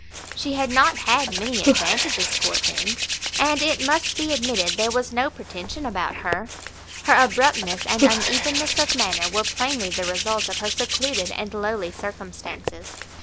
She had not had many advantages, poor thing! and it must be admitted there was no pretension about her; her abruptness and unevenness of manner were plainly the result of her secluded and lowly circumstances.